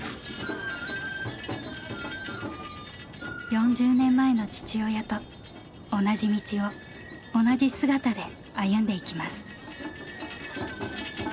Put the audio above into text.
４０年前の父親と同じ道を同じ姿で歩んでいきます。